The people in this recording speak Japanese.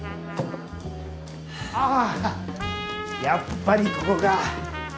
やっぱりここか。